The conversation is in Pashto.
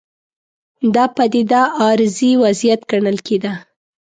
دا پدیده عارضي وضعیت ګڼل کېده.